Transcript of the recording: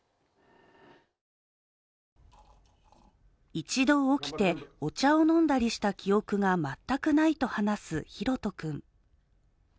一度起きて、お茶を飲んだりした記憶が全くないと話すひろと君。